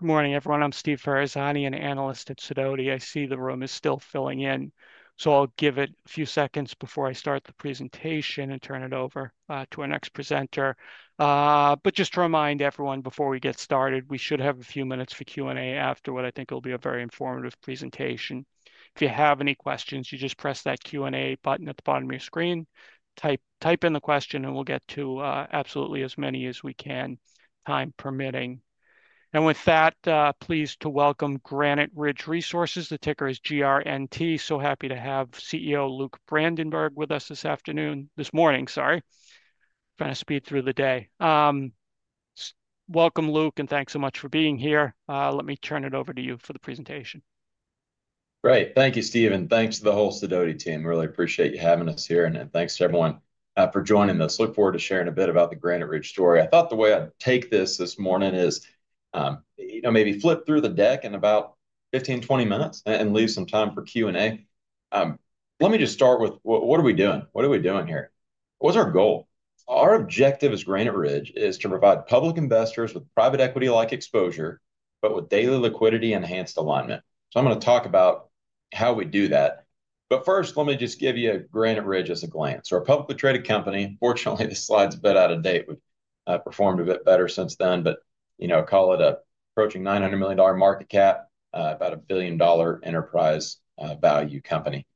Good morning, everyone. I'm Steve Ferazani, an analyst at Sidoti. I see the room is still filling in, so I'll give it a few seconds before I start the presentation and turn it over to our next presenter. Just to remind everyone, before we get started, we should have a few minutes for Q&A afterward. I think it'll be a very informative presentation. If you have any questions, you just press that Q&A button at the bottom of your screen, type in the question, and we'll get to absolutely as many as we can, time permitting. With that, please welcome Granite Ridge Resources. The ticker is GRNT. So happy to have CEO Luke Brandenberg with us this afternoon—this morning, sorry. Trying to speed through the day. Welcome, Luke, and thanks so much for being here. Let me turn it over to you for the presentation. Great. Thank you, Steve, and thanks to the whole Sidoti team. Really appreciate you having us here and thanks to everyone for joining us. Look forward to sharing a bit about the Granite Ridge story. I thought the way I'd take this this morning is, you know, maybe flip through the deck in about 15-20 minutes and leave some time for Q&A. Let me just start with, what are we doing? What are we doing here? What's our goal? Our objective as Granite Ridge is to provide public investors with private equity-like exposure, but with daily liquidity-enhanced alignment. So I'm going to talk about how we do that. But first, let me just give you Granite Ridge as a glance. We're a publicly traded company. Fortunately, the slide's a bit out-of-date. We've performed a bit better since then. But, you know, call it an approaching $900 million market cap, about a $1 billion enterprise-value company,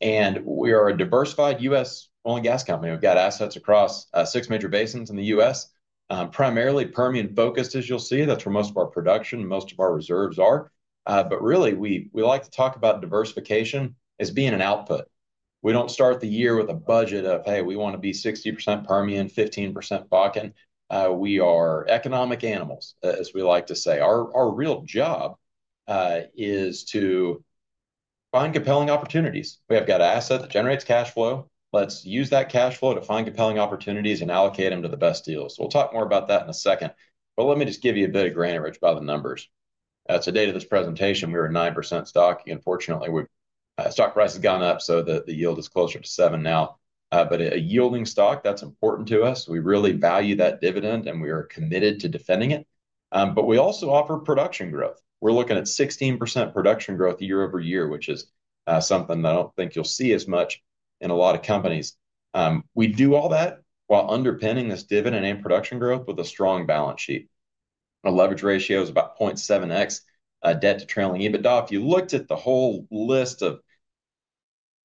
and we are a diversified U.S.-only gas company. We've got assets across six major basins in the U.S., primarily Permian-focused, as you'll see. That's where most of our production and most of our reserves are. But really, we like to talk about diversification as being an output. We don't start the year with a budget of, "Hey, we want to be 60% Permian, 15% Bakken." We are economic animals, as we like to say. Our real job is to find compelling opportunities. We have got an asset that generates cash flow. Let's use that cash flow to find compelling opportunities and allocate them to the best deals. We'll talk more about that in a second. But let me just give you a bit of Granite Ridge by the numbers. To date of this presentation, we were a 9% stock. Unfortunately, stock price has gone up, so the yield is closer to 7% now. A yielding stock, that's important to us. We really value that dividend, and we are committed to defending it. We also offer production growth. We're looking at 16% production growth year-over-year, which is something I don't think you'll see as much in a lot of companies. We do all that while underpinning this dividend and production growth with a strong balance sheet. Our leverage ratio is about 0.7x debt to trailing EBITDA. If you looked at the whole list of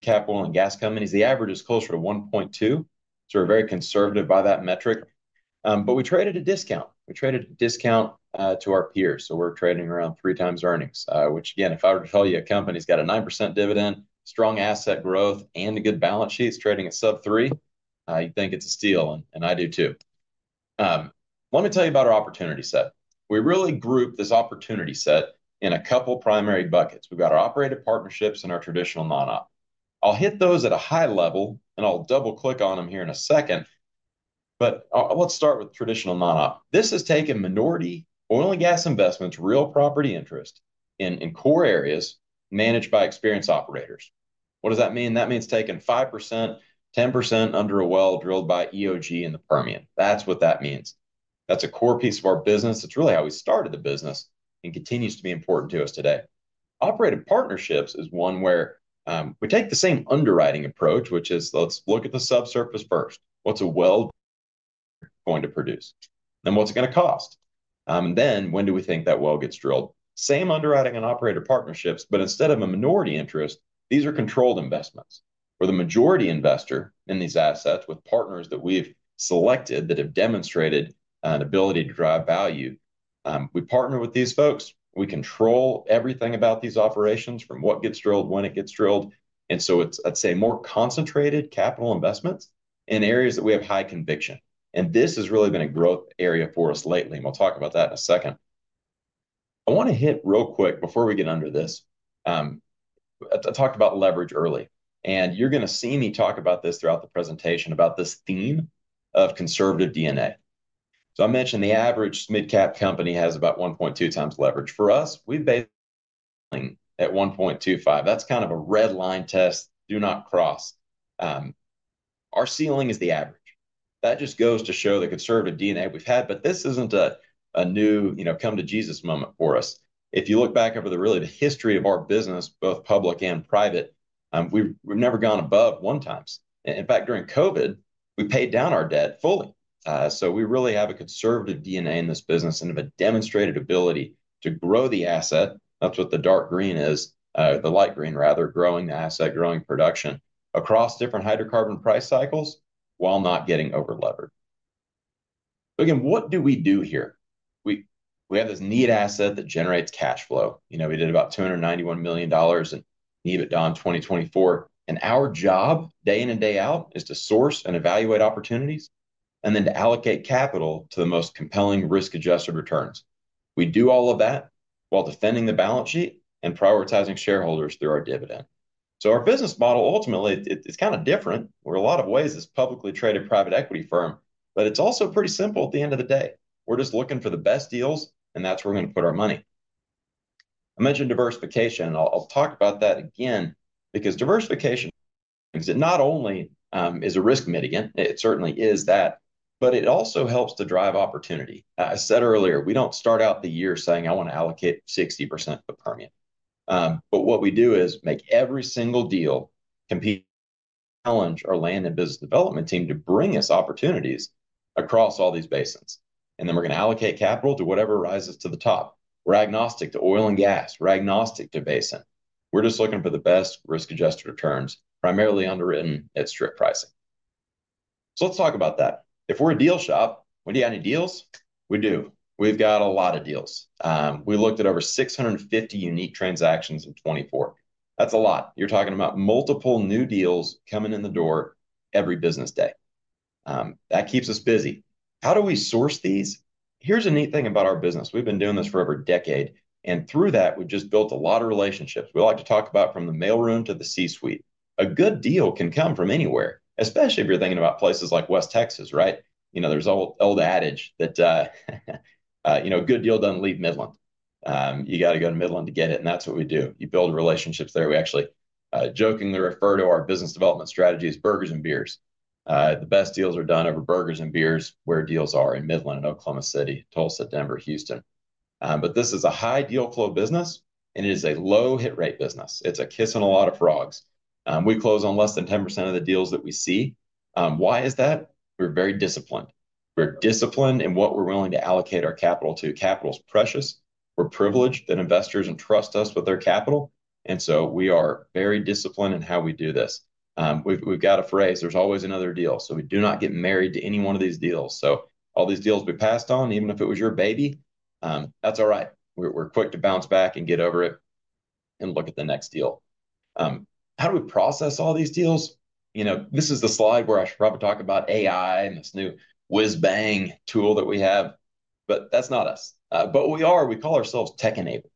capital and gas companies, the average is closer to 1.2. We are very conservative by that metric. We traded at a discount. We traded at a discount to our peers. We're trading around three times earnings, which, again, if I were to tell you a company's got a 9% dividend, strong asset growth, and a good balance sheet, it's trading at sub-3, you'd think it's a steal, and I do, too. Let me tell you about our opportunity set. We really group this opportunity set in a couple of primary buckets. We've got our operated partnerships and our traditional non-op. I'll hit those at a high level, and I'll double-click on them here in a second. Let's start with traditional non-op. This has taken minority oil and gas investments, real property interest in core areas managed by experienced operators. What does that mean? That means taking 5%, 10% under a well drilled by EOG in the Permian. That's what that means. That's a core piece of our business. It's really how we started the business and continues to be important to us today. Operated partnerships is one where we take the same underwriting approach, which is, let's look at the subsurface first. What's a well going to produce? Then what's it going to cost? And then when do we think that well gets drilled? Same underwriting and operator partnerships, but instead of a minority interest, these are controlled investments where the majority investor in these assets with partners that we've selected that have demonstrated an ability to drive value. We partner with these folks. We control everything about these operations from what gets drilled, when it gets drilled. I'd say it's more concentrated capital investments in areas that we have high conviction. This has really been a growth area for us lately. We'll talk about that in a second. I want to hit real quick before we get under this. I talked about leverage early. You're going to see me talk about this throughout the presentation about this theme of conservative DNA. I mentioned the average mid-cap company has about 1.2 times leverage. For us, we've at 1.25. That's kind of a red line test. Do not cross. Our ceiling is the average. That just goes to show the conservative DNA we've had. This isn't a new, you know, come-to-Jesus moment for us. If you look back over the really the history of our business, both public and private, we've never gone above one times. In fact, during COVID, we paid down our debt fully. We really have a conservative DNA in this business and have a demonstrated ability to grow the asset. That's what the dark green is, the light green, rather, growing the asset, growing production across different hydrocarbon price cycles while not getting over-levered. Again, what do we do here? We have this neat asset that generates cash flow. You know, we did about $291 million in EBITDA in 2024. Our job, day in and day out, is to source and evaluate opportunities and then to allocate capital to the most compelling risk-adjusted returns. We do all of that while defending the balance sheet and prioritizing shareholders through our dividend. Our business model ultimately, it's kind of different. We're in a lot of ways this publicly traded private equity firm, but it's also pretty simple at the end of the day. We're just looking for the best deals, and that's where we're going to put our money. I mentioned diversification. I'll talk about that again because diversification, it not only is a risk mitigant, it certainly is that, but it also helps to drive opportunity. I said earlier, we do not start out the year saying, "I want to allocate 60% to the Permian." What we do is make every single deal compete to challenge our land and business development team to bring us opportunities across all these basins. Then we are going to allocate capital to whatever rises to the top. We are agnostic to oil and gas. We are agnostic to basin. We are just looking for the best risk-adjusted returns, primarily underwritten at strip pricing. Let's talk about that. If we are a deal shop, do we have any deals? We do. We have got a lot of deals. We looked at over 650 unique transactions in 2024. That is a lot. You're talking about multiple new deals coming in the door every business day. That keeps us busy. How do we source these? Here's a neat thing about our business. We've been doing this for over a decade. And through that, we've just built a lot of relationships. We like to talk about from the mailroom to the C-suite. A good deal can come from anywhere, especially if you're thinking about places like West Texas, right? You know, there's an old adage that, you know, a good deal doesn't leave Midland. You got to go to Midland to get it. That's what we do. You build relationships there. We actually jokingly refer to our business development strategy as burgers and beers. The best deals are done over burgers and beers where deals are in Midland and Oklahoma City, Tulsa, Denver, Houston. This is a high deal-flow business, and it is a low hit-rate business. It's a kiss on a lot of frogs. We close on less than 10% of the deals that we see. Why is that? We're very disciplined. We're disciplined in what we're willing to allocate our capital to. Capital is precious. We're privileged that investors entrust us with their capital. We are very disciplined in how we do this. We've got a phrase, "There's always another deal." We do not get married to any one of these deals. All these deals we passed on, even if it was your baby, that's all right. We're quick to bounce back and get over it and look at the next deal. How do we process all these deals? You know, this is the slide where I should probably talk about AI and this new whiz-bang tool that we have. But that's not us. What we are, we call ourselves tech-enabled,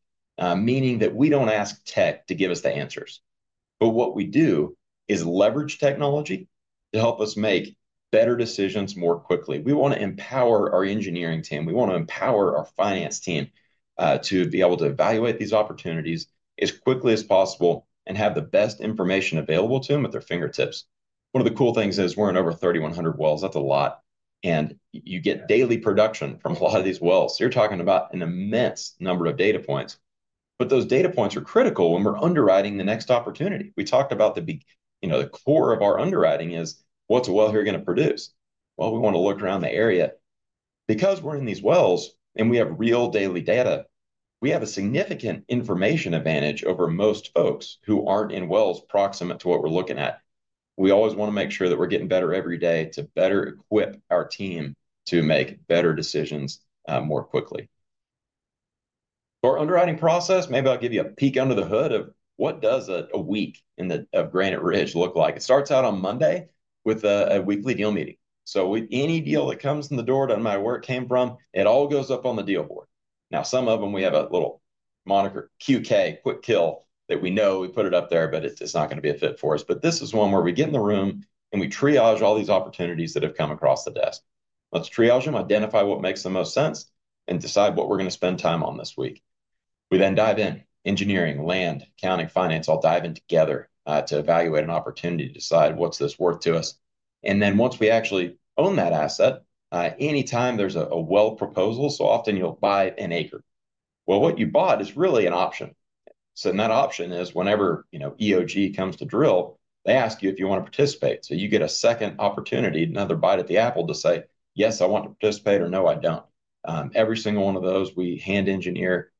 meaning that we don't ask tech to give us the answers. What we do is leverage technology to help us make better decisions more quickly. We want to empower our engineering team. We want to empower our finance team to be able to evaluate these opportunities as quickly as possible and have the best information available to them at their fingertips. One of the cool things is we're in over 3,100 wells. That's a lot. You get daily production from a lot of these wells. You're talking about an immense number of data points. Those data points are critical when we're underwriting the next opportunity. We talked about the, you know, the core of our underwriting is what's a well here going to produce? We want to look around the area. Because we're in these wells and we have real daily data, we have a significant information advantage over most folks who aren't in wells proximate to what we're looking at. We always want to make sure that we're getting better every day to better equip our team to make better decisions more quickly. For our underwriting process, maybe I'll give you a peek under the hood of what does a week in Granite Ridge look like. It starts out on Monday with a weekly deal meeting. Any deal that comes in the door that my work came from, it all goes up on the deal board. Now, some of them, we have a little moniker QK, quick kill, that we know we put it up there, but it's not going to be a fit for us. This is one where we get in the room and we triage all these opportunities that have come across the desk. Let's triage them, identify what makes the most sense, and decide what we're going to spend time on this week. We then dive in, engineering, land, accounting, finance, all dive in together to evaluate an opportunity to decide what's this worth to us. Once we actually own that asset, anytime there's a well proposal, so often you'll buy an acre. What you bought is really an option. In that option is whenever, you know, EOG comes to drill, they ask you if you want to participate. You get a second opportunity, another bite at the apple to say, "Yes, I want to participate," or, "No, I don't." Every single one of those, we hand engineer.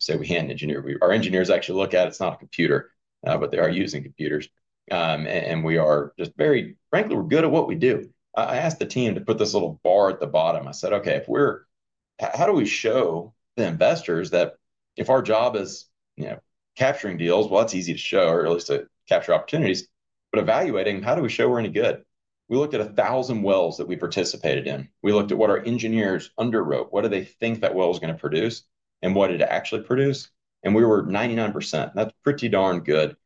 Say we hand engineer. Our engineers actually look at it. It's not a computer, but they are using computers. We are just, very frankly, we're good at what we do. I asked the team to put this little bar at the bottom. I said, "Okay, if we're, how do we show the investors that if our job is, you know, capturing deals, well, that's easy to show or at least to capture opportunities, but evaluating, how do we show we're any good?" We looked at 1,000 wells that we participated in. We looked at what our engineers underwrote. What do they think that well is going to produce and what did it actually produce? We were 99%. That's pretty darn good.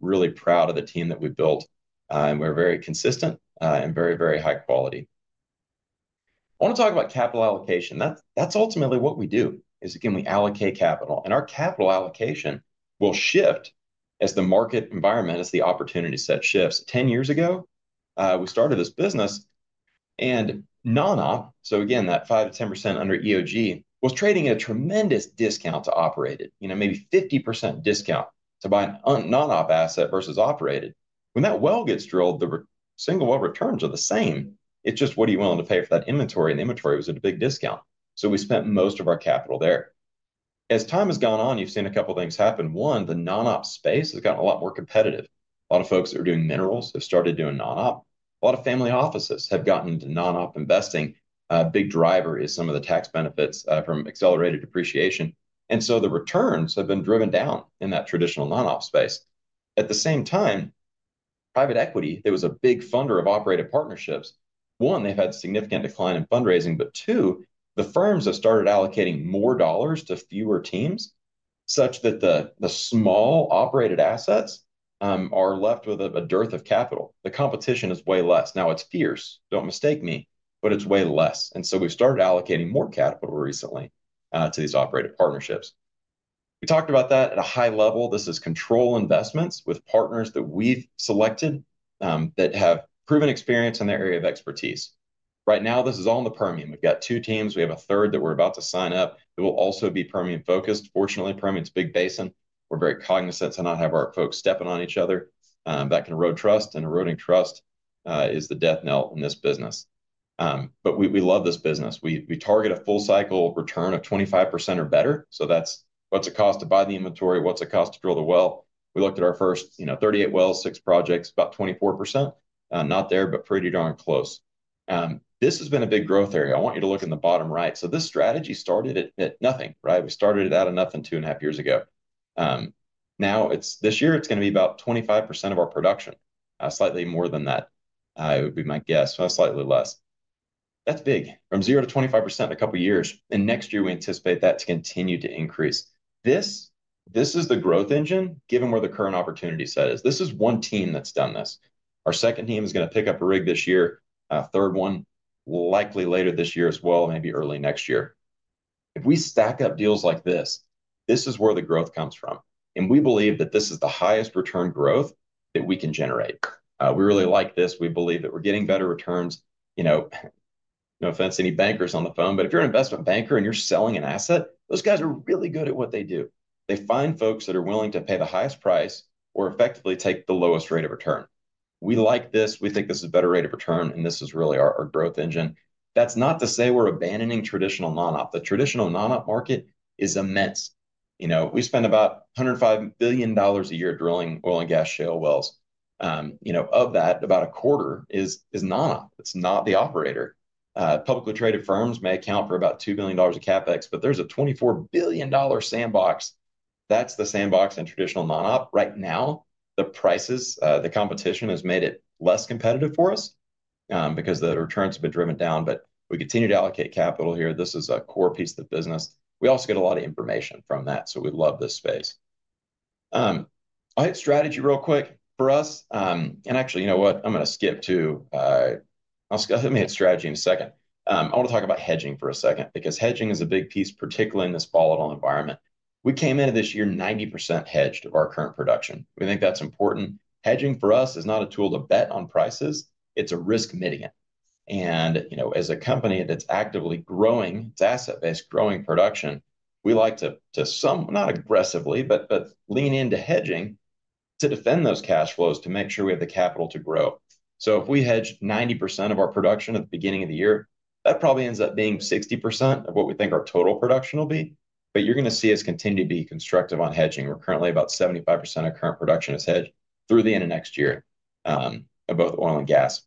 Really proud of the team that we built. And we're very consistent and very, very high quality. I want to talk about capital allocation. That's ultimately what we do is, again, we allocate capital. And our capital allocation will shift as the market environment, as the opportunity set shifts. Ten years ago, we started this business and non-op. So again, that 5%-10% under EOG was trading at a tremendous discount to operated, you know, maybe 50% discount to buy a non-op asset versus operated. When that well gets drilled, the single well returns are the same. It's just, what are you willing to pay for that inventory? And inventory was at a big discount. So we spent most of our capital there. As time has gone on, you've seen a couple of things happen. One, the non-op space has gotten a lot more competitive. A lot of folks that are doing minerals have started doing non-op. A lot of family offices have gotten into non-op investing. A big driver is some of the tax benefits from accelerated depreciation. The returns have been driven down in that traditional non-op space. At the same time, private equity, it was a big funder of operated partnerships. One, they've had significant decline in fundraising. Two, the firms have started allocating more dollars to fewer teams such that the small operated assets are left with a dearth of capital. The competition is way less. Now, it's fierce, don't mistake me, but it's way less. We have started allocating more capital recently to these operated partnerships. We talked about that at a high level. This is control investments with partners that we've selected that have proven experience in their area of expertise. Right now, this is all in the Permian. We've got two teams. We have a third that we're about to sign up that will also be Permian-focused. Fortunately, Permian's a big basin. We're very cognizant to not have our folks stepping on each other. That can erode trust, and eroding trust is the death knell in this business. But we love this business. We target a full cycle return of 25% or better. So that's what's it costs to buy the inventory, what's it costs to drill the well. We looked at our first, you know, 38 wells, six projects, about 24%. Not there, but pretty darn close. This has been a big growth area. I want you to look in the bottom right. So this strategy started at nothing, right? We started it out of nothing two-and-a-half years ago. Now, this year, it's going to be about 25% of our production, slightly more than that, it would be my guess, slightly less. That's big. From 0 to 25% in a couple of years. Next year, we anticipate that to continue to increase. This is the growth engine given where the current opportunity set is. This is one team that's done this. Our second team is going to pick up a rig this year. Third one, likely later this year as well, maybe early next year. If we stack up deals like this, this is where the growth comes from. We believe that this is the highest return growth that we can generate. We really like this. We believe that we're getting better returns. You know, no offense to any bankers on the phone, but if you're an investment banker and you're selling an asset, those guys are really good at what they do. They find folks that are willing to pay the highest price or effectively take the lowest rate of return. We like this, we think this is a better rate of return, and this is really our growth engine. That's not to say we're abandoning traditional non-op. The traditional non-op market is immense. You know, we spend about $105 billion a year drilling oil and gas shale wells. You know, of that, about a quarter is non-op. It's not the operator. Publicly traded firms may account for about $2 billion of CapEx, but there's a $24 billion sandbox. That's the sandbox in traditional non-op. Right now, the prices, the competition has made it less competitive for us because the returns have been driven down. We continue to allocate capital here. This is a core piece of the business. We also get a lot of information from that. We love this space. I'll hit strategy real quick for us. Actually, you know what? I'm going to skip to, I'm just going to hit strategy in a second. I want to talk about hedging for a second because hedging is a big piece, particularly in this volatile environment. We came into this year 90% hedged of our current production. We think that's important. Hedging for us is not a tool to bet on prices. It's a risk mitigant. You know, as a company that's actively growing, it's asset-based growing production, we like to, to some, not aggressively, but lean into hedging to defend those cash flows to make sure we have the capital to grow. If we hedge 90% of our production at the beginning of the year, that probably ends up being 60% of what we think our total production will be. You're going to see us continue to be constructive on hedging. We're currently about 75% of current production is hedged through the end of next year of both oil and gas.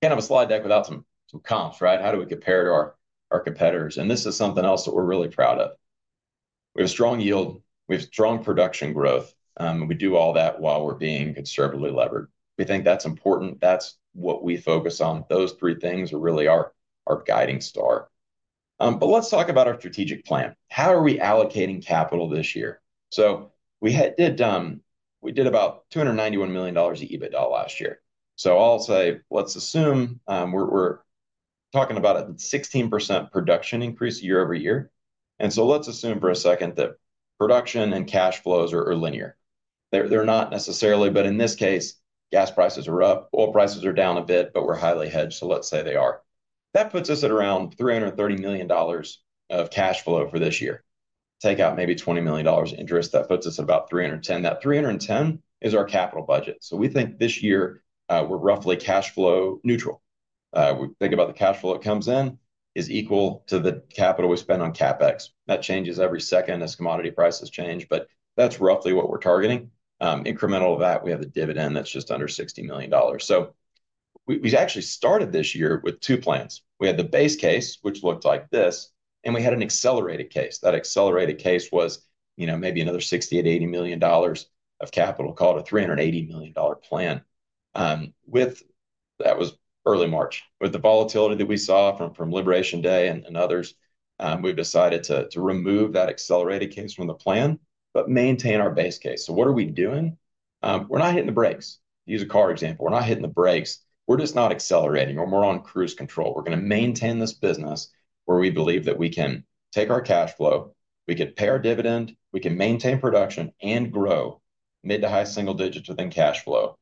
Kind of a slide deck without some comps, right? How do we compare to our competitors? This is something else that we're really proud of. We have a strong yield. We have strong production growth. We do all that while we're being conservatively levered. We think that's important. That's what we focus on. Those three things are really our guiding star. Let's talk about our strategic plan. How are we allocating capital this year? We did about $291 million of EBITDA last year. I'll say, let's assume we're talking about a 16% production increase year-over-year. Let's assume for a second that production and cash flows are linear. They're not necessarily, but in this case, gas prices are up. Oil prices are down a bit, but we're highly hedged. Let's say they are. That puts us at around $330 million of cash flow for this year. Take out maybe $20 million interest. That puts us at about $310 million. That $310 million is our capital budget. We think this year we're roughly cash flow neutral. We think about the cash flow that comes in is equal to the capital we spend on CapEx. That changes every second as commodity prices change, but that's roughly what we're targeting. Incremental to that, we have a dividend that's just under $60 million. So we actually started this year with two plans. We had the base case, which looked like this, and we had an accelerated case. That accelerated case was, you know, maybe another $60-$80 million of capital, called a $380 million plan. That was early March. With the volatility that we saw from Liberation Day and others, we've decided to remove that accelerated case from the plan, but maintain our base case. What are we doing? We're not hitting the brakes. To use a car example, we're not hitting the brakes. We're just not accelerating. We're more on cruise control. We're going to maintain this business where we believe that we can take our cash flow, we can pay our dividend, we can maintain production and grow mid-to-high single digits within cash flow.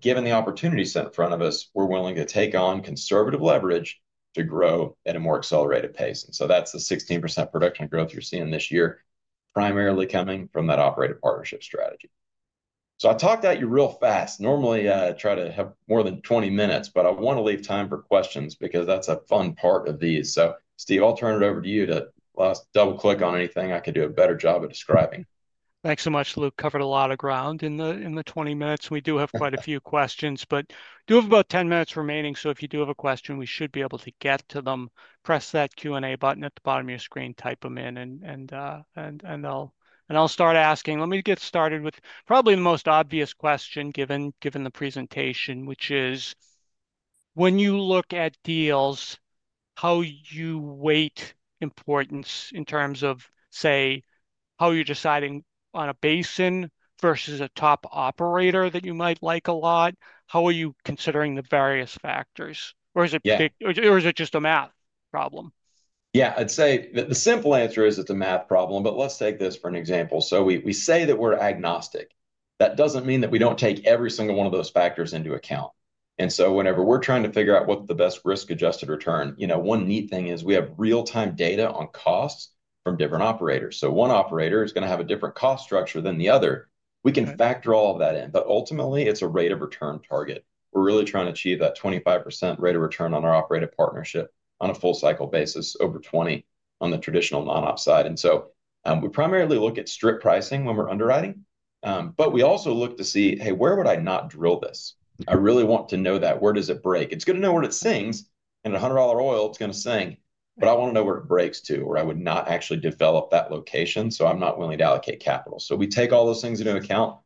Given the opportunity set in front of us, we're willing to take on conservative leverage to grow at a more accelerated pace. That's the 16% production growth you're seeing this year, primarily coming from that operated partnership strategy. I talked at you real fast. Normally, I try to have more than 20 minutes, but I want to leave time for questions because that's a fun part of these. Steve, I'll turn it over to you to double-click on anything I could do a better job of describing. Thanks so much, Luke. Covered a lot of ground in the 20 minutes. We do have quite a few questions, but do have about 10 minutes remaining. If you do have a question, we should be able to get to them. Press that Q&A button at the bottom of your screen, type them in, and I'll start asking. Let me get started with probably the most obvious question given the presentation, which is, when you look at deals, how you weight importance in terms of, say, how you're deciding on a basin versus a top operator that you might like a lot? How are you considering the various factors? Or is it just a math problem? Yeah, I'd say the simple answer is it's a math problem, but let's take this for an example. We say that we're agnostic. That doesn't mean that we don't take every single one of those factors into account. Whenever we're trying to figure out what's the best risk-adjusted return, you know, one neat thing is we have real-time data on costs from different operators. One operator is going to have a different cost structure than the other. We can factor all of that in, but ultimately, it's a rate of return target. We're really trying to achieve that 25% rate of return on our operated partnership on a full-cycle basis, over 20% on the traditional non-op side. We primarily look at strip pricing when we're underwriting, but we also look to see, "Hey, where would I not drill this?" I really want to know that. Where does it break? It's good to know where it sings. At $100 oil, it's going to sing. I want to know where it breaks too, where I would not actually develop that location. I'm not willing to allocate capital. We take all those things into account.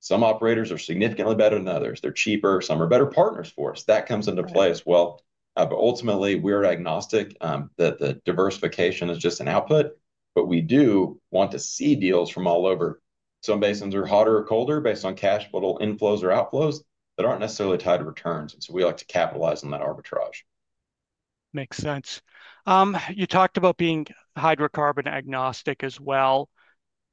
Some operators are significantly better than others. They're cheaper. Some are better partners for us. That comes into play as well. Ultimately, we're agnostic. The diversification is just an output, but we do want to see deals from all over. Some basins are hotter or colder based on cash little inflows or outflows that aren't necessarily tied to returns. We like to capitalize on that arbitrage. Makes sense. You talked about being hydrocarbon agnostic as well.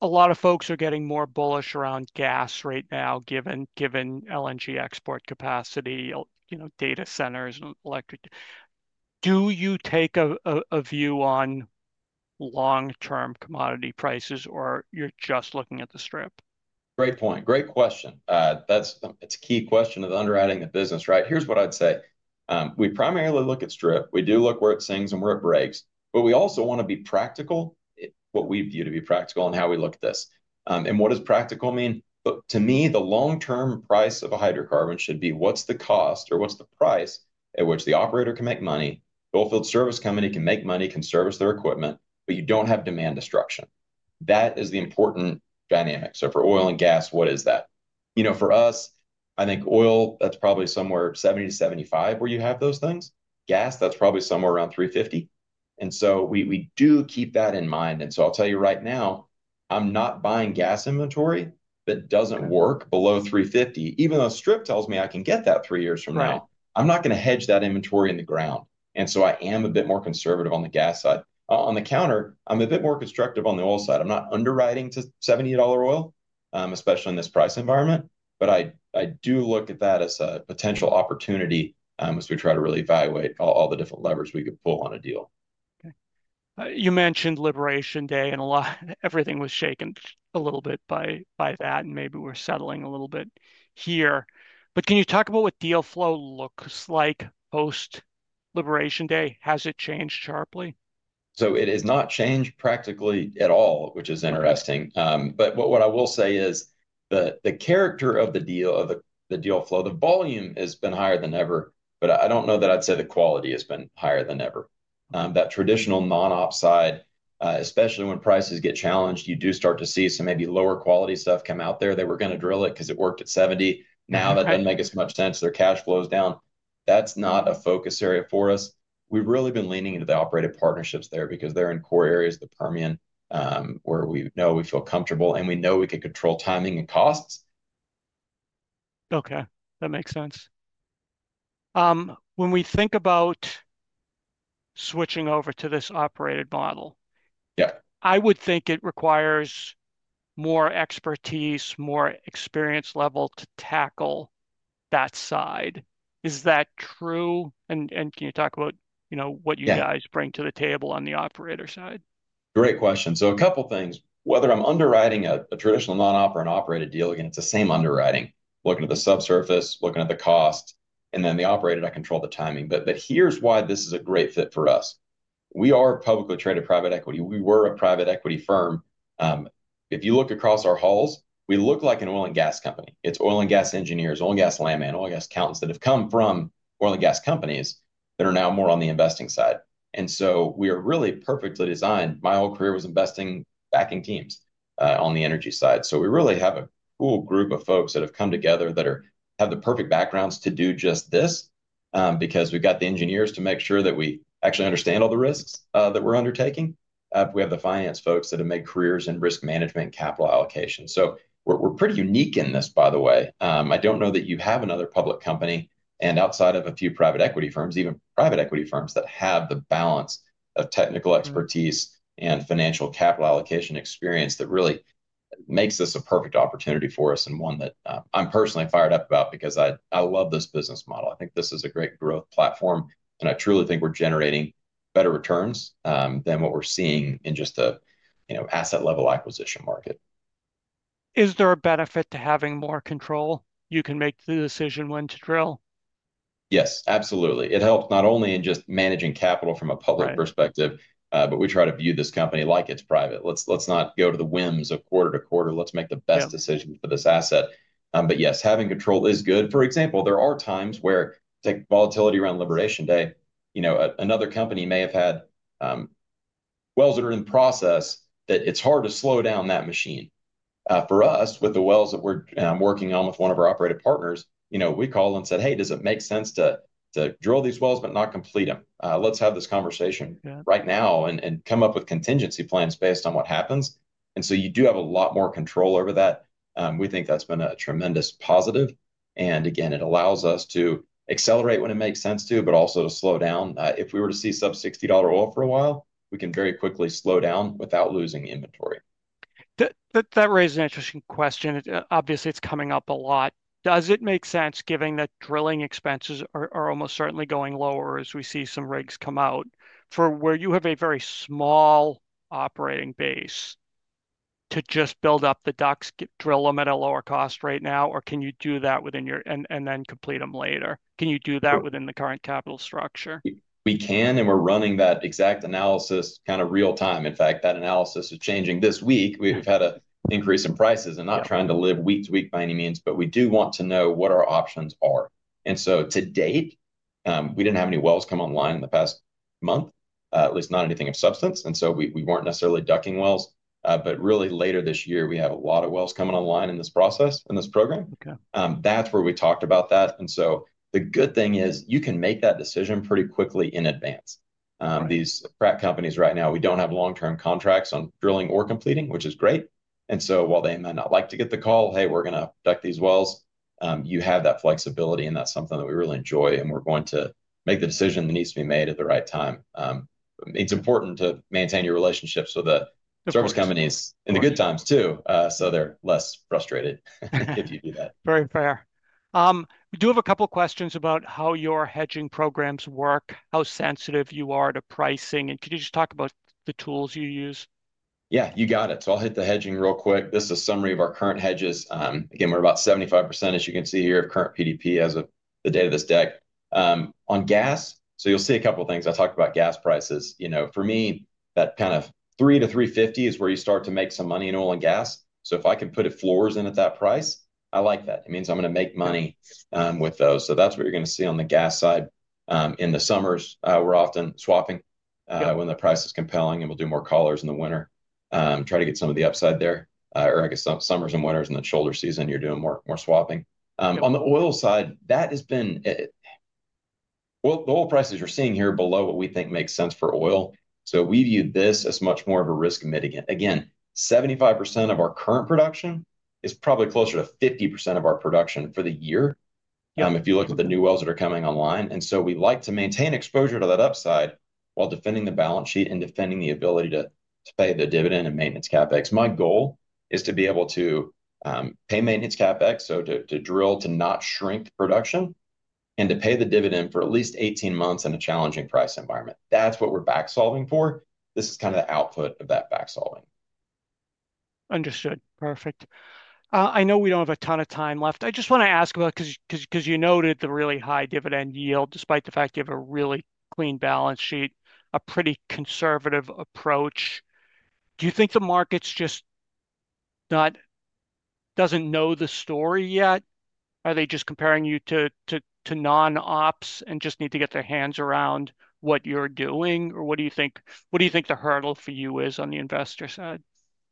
A lot of folks are getting more bullish around gas right now, given LNG export capacity, you know, data centers, electric. Do you take a view on long-term commodity prices or you're just looking at the strip? Great point. Great question. That's a key question of underwriting the business, right? Here's what I'd say. We primarily look at strip. We do look where it sings and where it breaks. We also want to be practical, what we view to be practical and how we look at this. What does practical mean? To me, the long-term price of a hydrocarbon should be what's the cost or what's the price at which the operator can make money, the oilfield service company can make money, can service their equipment, but you do not have demand destruction. That is the important dynamic. For oil and gas, what is that? You know, for us, I think oil, that is probably somewhere $70-$75 where you have those things. Gas, that is probably somewhere around $3.50. We do keep that in mind. I'll tell you right now, I'm not buying gas inventory that doesn't work below $3.50, even though strip tells me I can get that three years from now. I'm not going to hedge that inventory in the ground. I am a bit more conservative on the gas side. On the counter, I'm a bit more constructive on the oil side. I'm not underwriting to $70 oil, especially in this price environment, but I do look at that as a potential opportunity as we try to really evaluate all the different levers we could pull on a deal. Okay. You mentioned Liberation Day and a lot, everything was shaken a little bit by that, and maybe we're settling a little bit here. Can you talk about what deal flow looks like post-Liberation Day? Has it changed sharply? It has not changed practically at all, which is interesting. What I will say is the character of the deal, of the deal flow, the volume has been higher than ever, but I don't know that I'd say the quality has been higher than ever. That traditional non-op side, especially when prices get challenged, you do start to see some maybe lower quality stuff come out there. They were going to drill it because it worked at $70. Now that doesn't make as much sense, their cash flow's down. That's not a focus area for us. We've really been leaning into the operated partnerships there because they're in core areas of the Permian where we know we feel comfortable and we know we can control timing and costs. Okay. That makes sense. When we think about switching over to this operated model, I would think it requires more expertise, more experience level to tackle that side. Is that true? Can you talk about, you know, what you guys bring to the table on the operator side? Great question. A couple of things. Whether I'm underwriting a traditional non-op or an operated deal, again, it's the same underwriting. Looking at the subsurface, looking at the cost, and then the operator that control the timing. Here's why this is a great fit for us. We are publicly traded private equity. We were a private equity firm. If you look across our halls, we look like an oil and gas company. It's oil and gas engineers, oil and gas landmen, oil and gas accountants that have come from oil and gas companies that are now more on the investing side. We are really perfectly designed. My whole career was investing back in teams on the energy side. We really have a cool group of folks that have come together that have the perfect backgrounds to do just this because we have the engineers to make sure that we actually understand all the risks that we are undertaking. We have the finance folks that have made careers in risk management and capital allocation. We are pretty unique in this, by the way. I do not know that you have another public company, and outside of a few private equity firms, even private equity firms that have the balance of technical expertise and financial capital allocation experience that really makes this a perfect opportunity for us and one that I am personally fired up about because I love this business model. I think this is a great growth platform, and I truly think we're generating better returns than what we're seeing in just a, you know, asset-level acquisition market. Is there a benefit to having more control? You can make the decision when to drill? Yes, absolutely. It helps not only in just managing capital from a public perspective, but we try to view this company like it's private. Let's not go to the whims of quarter-to-quarter. Let's make the best decision for this asset. Yes, having control is good. For example, there are times where volatility around Liberation Day, you know, another company may have had wells that are in process that, it's hard to slow down that machine. For us, with the wells that we're working on with one of our operated partners, you know, we called and said, "Hey, does it make sense to drill these wells, but not complete them? Let's have this conversation right now and come up with contingency plans based on what happens." You do have a lot more control over that. We think that's been a tremendous positive. It allows us to accelerate when it makes sense to, but also to slow down. If we were to see sub-$60 oil for a while, we can very quickly slow down without losing inventory. That raised an interesting question. Obviously, it's coming up a lot. Does it make sense given that drilling expenses are almost certainly going lower as we see some rigs come out for where you have a very small operating base to just build up the ducks, drill them at a lower cost right now, or can you do that within your and then complete them later? Can you do that within the current capital structure? We can, and we're running that exact analysis kind of real time. In fact, that analysis is changing this week. We have had an increase in prices, not trying to live week to week by any means, but we do want to know what our options are. To date, we did not have any wells come online in the past month, at least not anything of substance. We were not necessarily ducking wells, but really later this year, we have a lot of wells coming online in this process, in this program. That is where we talked about that. The good thing is you can make that decision pretty quickly in advance. These [Pratt] companies right now, we do not have long-term contracts on drilling or completing, which is great. While they might not like to get the call, "Hey, we are going to duck these wells," you have that flexibility, and that is something that we really enjoy, and we are going to make the decision that needs to be made at the right time. It is important to maintain your relationships with the service companies in the good times too, so they are less frustrated if you do that. Very fair. We do have a couple of questions about how your hedging programs work, how sensitive you are to pricing, and could you just talk about the tools you use? Yeah, you got it. I will hit the hedging real quick. This is a summary of our current hedges. Again, we are about 75%, as you can see here, current PDP as of the date of this deck. On gas, you will see a couple of things. I talked about gas prices. You know, for me, that kind of $3-$3.50 is where you start to make some money in oil and gas. If I can put floors in at that price, I like that. It means I am going to make money with those. That is what you are going to see on the gas side. In the summers, we're often swapping when the price is compelling, and we'll do more callers in the winter, try to get some of the upside there, or I guess summers and winters in the shoulder season, you're doing more swapping. On the oil side, that has been, the oil prices you're seeing here below what we think makes sense for oil. We view this as much more of a risk mitigant. Again, 75% of our current production is probably closer to 50% of our production for the year if you look at the new wells that are coming online. We like to maintain exposure to that upside while defending the balance sheet and defending the ability to pay the dividend and maintenance CapEx. My goal is to be able to pay maintenance CapEx, so to drill to not shrink production and to pay the dividend for at least 18 months in a challenging price environment. That's what we're backsolving for. This is kind of the output of that backsolving. Understood. Perfect. I know we don't have a ton of time left. I just want to ask about, because you noted the really high dividend yield, despite the fact you have a really clean balance sheet, a pretty conservative approach. Do you think the market's just not, doesn't know the story yet? Are they just comparing you to non-ops and just need to get their hands around what you're doing? Or what do you think, what do you think the hurdle for you is on the investor side?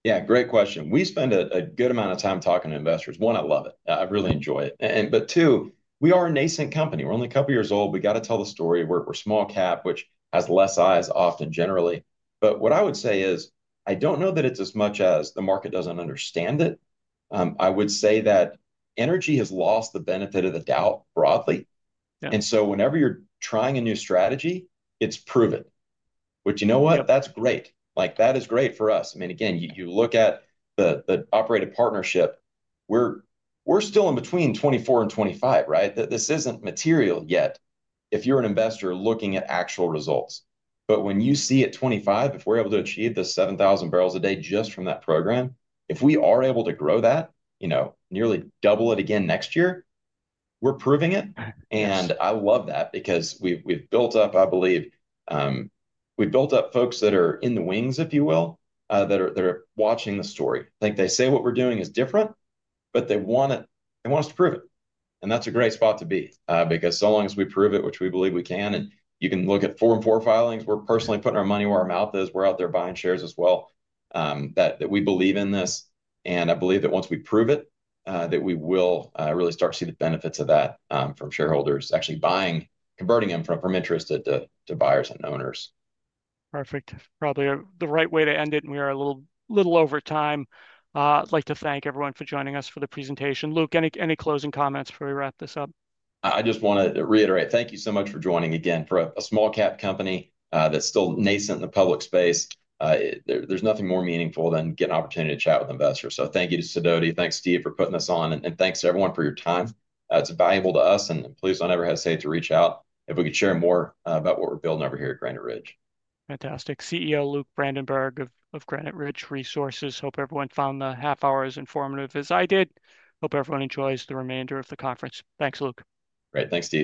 Yeah, great question. We spend a good amount of time talking to investors. One, I love it. I really enjoy it. Two, we are a nascent company. We're only a couple of years old. We got to tell the story. We're small cap, which has less eyes often generally. What I would say is I don't know that it's as much as the market doesn't understand it. I would say that energy has lost the benefit of the doubt broadly. Whenever you're trying a new strategy, it's proven. You know what? That is great. Like that is great for us. I mean, again, you look at the operated partnership, we're still in between 2024 and 2025, right? This isn't material yet if you're an investor looking at actual results. When you see at 2025, if we're able to achieve the 7,000 barrels a day just from that program, if we are able to grow that, you know, nearly double it again next year, we're proving it. I love that because we've built up, I believe, we've built up folks that are in the wings, if you will, that are watching the story. I think they say what we're doing is different, but they want us to prove it. That's a great spot to be because so long as we prove it, which we believe we can, and you can look a [4-and-4] filings, we're personally putting our money where our mouth is. We're out there buying shares as well that we believe in this. I believe that once we prove it, we will really start to see the benefits of that from shareholders actually converting them from interest to buyers and owners. Perfect. Probably the right way to end it. We are a little over time. I'd like to thank everyone for joining us for the presentation. Luke, any closing comments before we wrap this up? I just want to reiterate, thank you so much for joining again. For a small cap company that's still nascent in the public space, there's nothing more meaningful than getting an opportunity to chat with investors. Thank you to Sadodi. Thanks, Steve, for putting this on. Thanks to everyone for your time. It's valuable to us. Please don't ever hesitate to reach out if we could share more about what we're building over here at Granite Ridge. Fantastic. CEO, Luke Brandenberg of Granite Ridge Resources. Hope everyone found the half-hour as informative as I did. Hope everyone enjoys the remainder of the conference. Thanks, Luke. Great. Thanks, Steve.